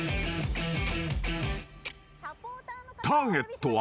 ［ターゲットは］